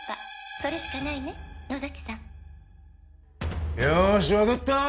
それしかないね野崎さん」よし分かった！